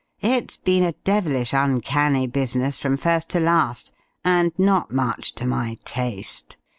It's been a devilish uncanny business from first to last, and not much to my taste.